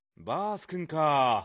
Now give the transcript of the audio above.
バースくんか。